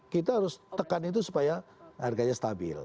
kita harus tekan itu supaya harganya stabil